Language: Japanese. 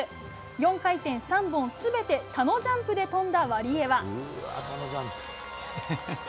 ４回転３本全てタノジャンプで跳んだワリエワ。